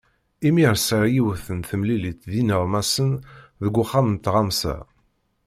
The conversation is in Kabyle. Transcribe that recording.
Imir sɛiɣ yiwet temlilit d yineɣmasen deg uxxam n tɣamsa.